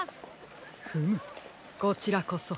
フムこちらこそ。